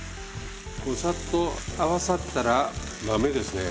さっと合わさったら豆ですね。